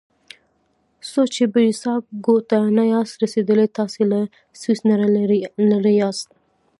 څو چې بریساګو ته نه یاست رسیدلي تاسي له سویس نه لرې یاست.